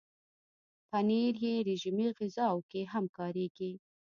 پنېر په رژیمي غذاوو کې هم کارېږي.